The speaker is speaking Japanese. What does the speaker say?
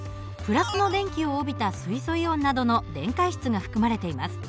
＋の電気を帯びた水素イオンなどの電解質が含まれています。